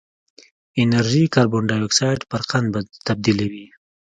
انرژي کاربن ډای اکسایډ پر قند تبدیلوي.